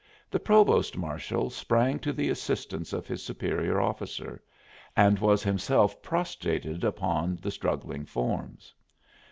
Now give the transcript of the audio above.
The provost marshal sprang to the assistance of his Superior officer and was himself prostrated upon the struggling forms.